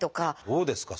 どうですか？